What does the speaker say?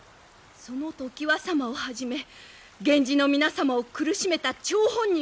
その常磐様をはじめ源氏の皆様を苦しめた張本人が清盛様です。